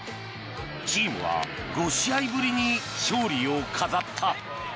チームは５試合ぶりに勝利を飾った。